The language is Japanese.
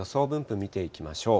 見ていきましょう。